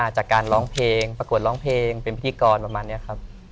จากการร้องเพลงประกวดร้องเพลงเป็นพิธีกรประมาณนี้ครับ